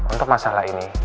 untuk masalah ini